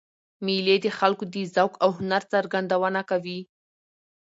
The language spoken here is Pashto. مېلې د خلکو د ذوق او هنر څرګندونه کوي.